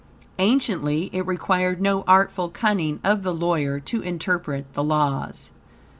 Anciently, it required no artful cunning of the lawyer to interpret the laws.